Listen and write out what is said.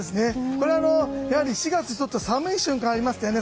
これは４月ちょっと寒い瞬間がありましたよね。